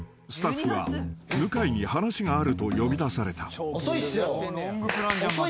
［スタッフは向井に話があると呼び出された］